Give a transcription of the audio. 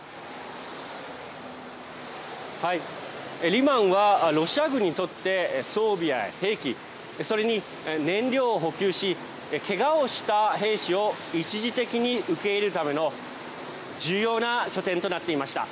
リマンはロシア軍にとって装備や兵器それに燃料を補給しけがをした兵士を一時的に受け入れるための重要な拠点となっていました。